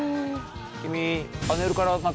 君。